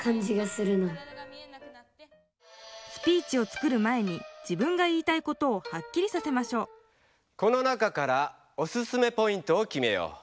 スピーチを作る前に自分が言いたいことをはっきりさせましょうこの中からオススメポイントをきめよう。